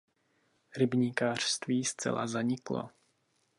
Rybníkářství zcela zaniklo.